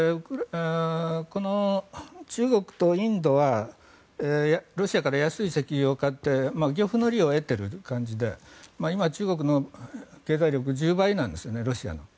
この中国とインドはロシアから安い石油を買って漁夫の利を得ている感じで今、中国の経済力１０倍なんですよね、ロシアの。